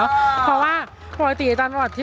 อย่างที่บอกไปว่าเรายังยึดในเรื่องของข้อ